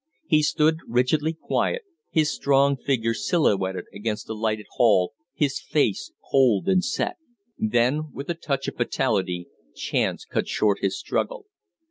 He stood rigidly quiet, his strong figure silhouetted against the lighted hall, his face cold and set; then, with a touch of fatality, Chance cut short his struggle.